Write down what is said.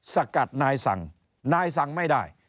สกัดนายสั่งนายสั่งไม่ได้